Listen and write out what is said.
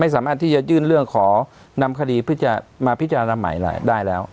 สามารถที่จะยื่นเรื่องขอนำคดีมาพิจารณาใหม่ได้แล้ว